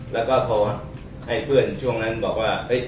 แล้วก็โทรให้เพื่อนช่วงนั้นบอกว่า